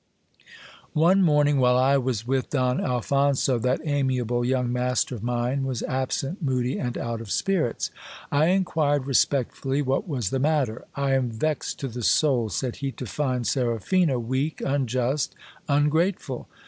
One morning while I was with Don Alphonso, that amiable young master of mine was absent, moody, and out of spirits. I inquired respectfully what was the matter. I am vexed to the soul, said he, to find Seraphina weak, unjust, ungrateful.